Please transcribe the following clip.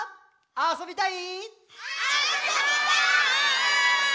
あそびたい！